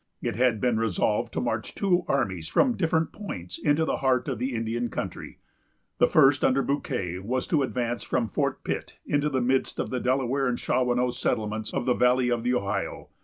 It had been resolved to march two armies from different points into the heart of the Indian country. The first, under Bouquet, was to advance from Fort Pitt into the midst of the Delaware and Shawanoe settlements of the valley of the Ohio.